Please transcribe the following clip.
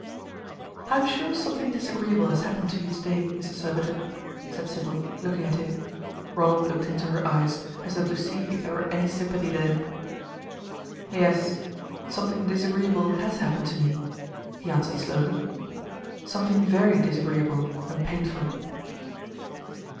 "I am sure something disagreeable has happened to you to day, Mr. Surbiton," said Sybil, looking at him. Ronald looked into her eyes as though to see if there were any sympathy there. "Yes, something disagreeable has happened to me," he answered slowly. "Something very disagreeable and painful."